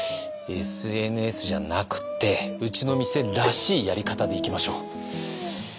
ＳＮＳじゃなくてうちの店らしいやり方でいきましょう。